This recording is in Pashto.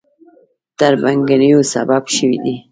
تربګنیو سبب شوي دي.